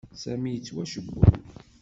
Sami yettwacewwel.